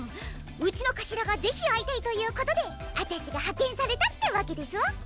うちの頭がぜひ会いたいということで私が派遣されたってわけですわ。